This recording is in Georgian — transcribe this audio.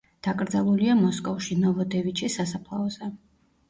დაკრძალულია მოსკოვში, ნოვოდევიჩის სასაფლაოზე.